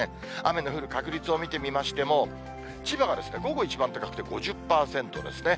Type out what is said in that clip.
雨の降る確率を見てみましても、千葉が午後、一番高くて５０％ですね。